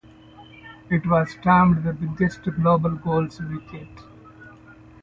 It was termed "the biggest Global Goals Week yet".